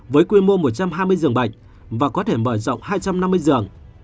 với quy mô một trăm hai mươi giường bệnh và có thể mở rộng hai trăm năm mươi giường